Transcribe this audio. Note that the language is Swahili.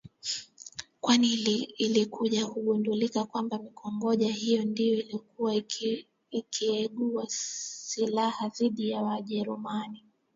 kwani ilikuja kugundulika kwamba mikongoja hiyo ndiyo ilikuwa ikigeuka silaha dhidi ya Wajerumani